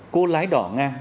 cô lái đỏ ngang